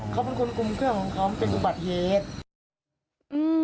เขาเป็นคนกลุ่มเครื่องของเขามันเป็นอุบัติเหตุ